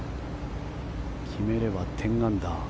決めれば１０アンダー。